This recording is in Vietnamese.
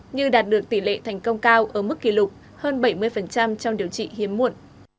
như đạt được tỷ lệ thành công cao ở mức kỷ lục hơn bảy mươi trong điều trị hiếm muộn